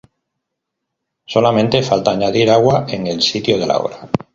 Solamente falta añadir agua en el sitio de la obra.